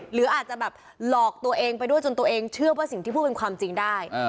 หรืออาจจะแบบหลอกตัวเองไปด้วยจนตัวเองเชื่อว่าสิ่งที่พูดเป็นความจริงได้